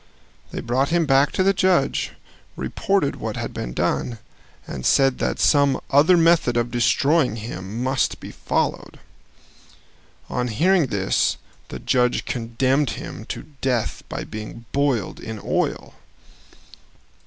They brought him back to the judge, reported what had been done, and said that some other method of destroying him must be followed. On hearing this the judge condemned him to death by being boiled in oil.